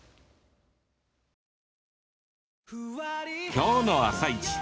今日の「あさイチ」